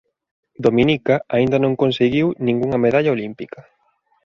Dominica aínda non conseguiu ningunha medalla olímpica.